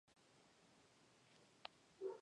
Fue profesor de la Escuela de Comercio de Praga.